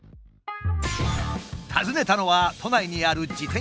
訪ねたのは都内にある自転車店。